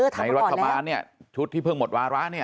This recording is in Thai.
รัฐบาลเนี่ยชุดที่เพิ่งหมดวาระเนี่ย